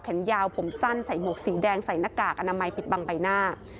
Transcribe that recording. ยาวผมสั้นใส่หมวกสีแดงใส่หน้ากากอนามัยปิดบังใบหน้า